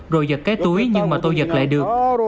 rồi giật cái túi nhưng mà tôi giật lại được